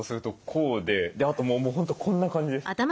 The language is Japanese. あともう本当こんな感じです。